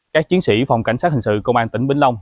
các chiến sĩ phòng cảnh sát hình sự công an tỉnh bình long